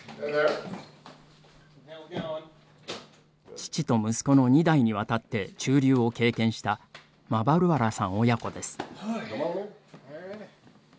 父と息子の２代にわたって駐留を経験したマバルワラさん親子です。